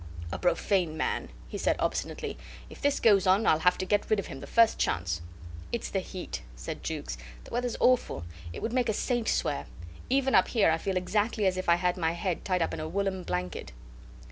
"A profane man," he said, obstinately. "If this goes on, I'll have to get rid of him the first chance." "It's the heat," said Jukes. "The weather's awful. It would make a saint swear. Even up here I feel exactly as if I had my head tied up in a woollen blanket."